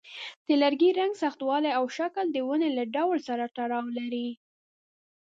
د لرګي رنګ، سختوالی، او شکل د ونې له ډول سره تړاو لري.